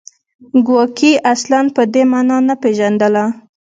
ګواکې اصلاً په دې معنا نه پېژندله